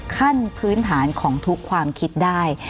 ขั้นพื้นฐานของทุกความคิดได้